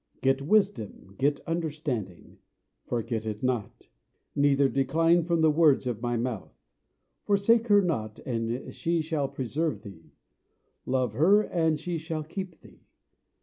Get wisdom, get understanding: forget it not; neither decline from the words of my mouth. Forsake her not, and she shall preserve thee: love her, and she shall keep thee.